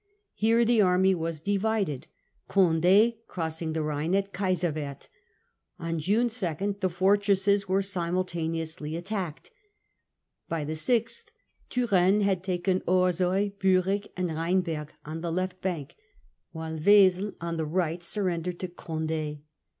Here the army was divided, Condd crossing the Rhine at Kaiserwerth. On June 2 the fortresses were simultaneously attacked. By the 6th Turenne had taken Orsoy, Biirick, and Rhynberg on the left bank, while Wesel on the right surrendered to Conde.